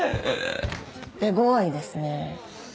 手ごわいですね。